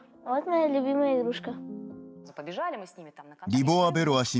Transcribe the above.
リボワベロワ氏